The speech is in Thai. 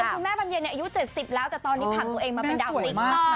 คุณแม่บรรเย็นอายุ๗๐แล้วแต่ตอนนี้ผ่านตัวเองมาเป็นดาวติ๊กต่อ